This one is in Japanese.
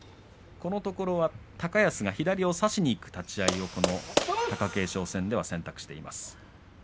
このところは高安が左を差しにいく立ち合いを貴景勝戦では選択しています。